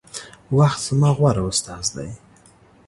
وخت زما غوره استاذ دے